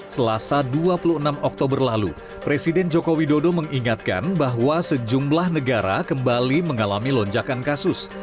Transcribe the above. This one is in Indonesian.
selasa dua puluh enam oktober lalu presiden joko widodo mengingatkan bahwa sejumlah negara kembali mengalami lonjakan kasus